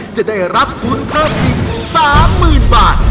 จะได้รับทุนเพิ่มอีก๓๐๐๐บาท